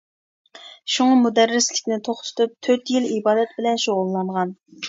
شۇڭا مۇدەررىسلىكىنى توختىتىپ، تۆت يىل ئىبادەت بىلەن شۇغۇللانغان.